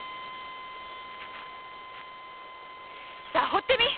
さあほってみい！